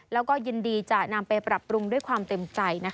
แล้วก็ยินดีจะนำไปปรับปรุงด้วยความเต็มใจ